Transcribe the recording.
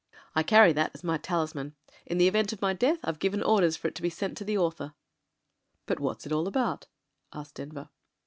"I carry that as my talisman. In the event of my death I've given orders for it to be sent to the author." "But what's it all about?" asked Denver.